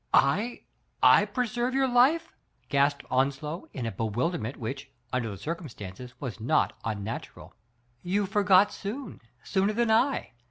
"I —/ preserve your life?" gasped Onslow, in a bewilderment which, under the circumstances, was not unnatural. "You forgot soon, sooner than I.